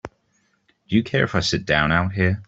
Do you care if I sit down out here?